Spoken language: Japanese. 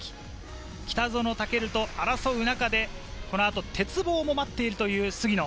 北園丈琉と争う中で、この後、鉄棒も待っているという杉野。